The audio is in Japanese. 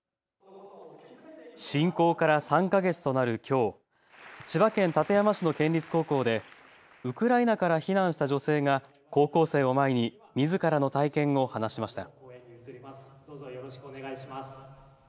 侵攻から３か月となるきょう、千葉県館山市の県立高校でウクライナから避難した女性が高校生を前にみずからの体験を話しました。